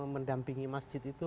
mendampingi masjid itu